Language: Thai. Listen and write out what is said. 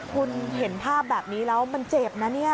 คุณเห็นภาพแบบนี้แล้วมันเจ็บนะเนี่ย